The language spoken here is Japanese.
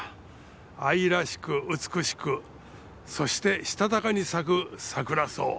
愛らしく美しくそして強かに咲くサクラソウ。